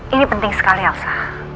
ini penting sekali elsa